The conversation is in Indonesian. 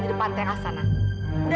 di depan teras sana